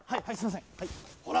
ほら！